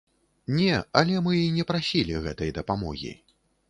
Не, але мы і не прасілі гэтай дапамогі.